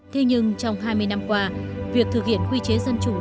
thế nhưng trong hai mươi năm qua việc thực hiện quy chế dân chủ